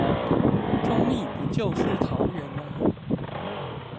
中壢不就是桃園嗎